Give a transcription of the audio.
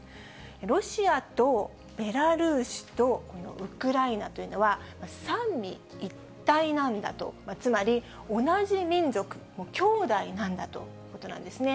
ロシアとベラルーシとこのウクライナというのは、三位一体なんだと、つまり同じ民族、兄弟なんだということなんですね。